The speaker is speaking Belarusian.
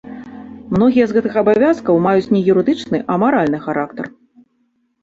Многія з гэтых абавязкаў маюць не юрыдычны, а маральны характар.